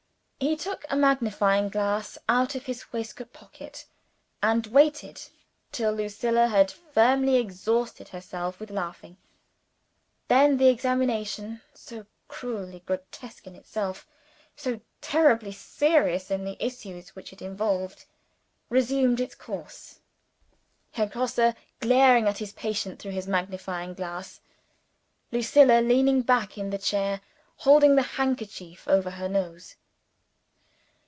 He took a magnifying glass out of his waistcoat pocket, and waited till Lucilla had fairly exhausted herself with laughing. Then the examination so cruelly grotesque in itself, so terribly serious in the issues which it involved resumed its course: Herr Grosse glaring at his patient through his magnifying glass; Lucilla leaning back in the chair, holding the handkerchief over her nose.